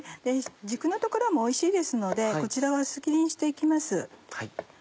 軸の所もおいしいですのでこちらは薄切りにして行きます。